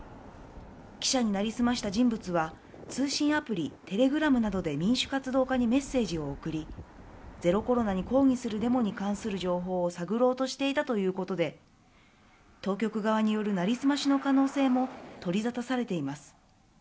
記者になりすました人物は通信アプリ・テレグラムなどで民主活動家にメッセージを送り、ゼロコロナに抗議するデモに関する情報を探ろうとしていたということで、当局側によるなりすましの可能性も取りざたされています。